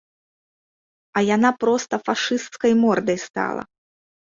А яна проста фашысцкай мордай стала.